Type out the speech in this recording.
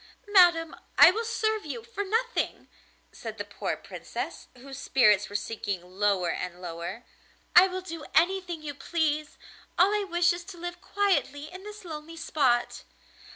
'Madam, I will serve you for nothing,' said the poor Princess, whose spirits were sinking lower and lower. 'I will do anything you please; all I wish is to live quietly in this lonely spot.